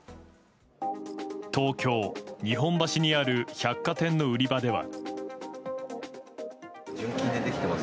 東京・日本橋にある百貨店の売り場では。